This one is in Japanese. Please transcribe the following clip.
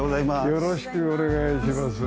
よろしくお願いします。